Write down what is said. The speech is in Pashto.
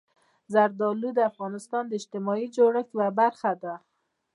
زردالو د افغانستان د اجتماعي جوړښت یوه برخه ده.